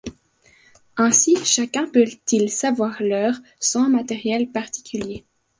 Ainsi chacun peut-il savoir l'heure sans matériel particulier.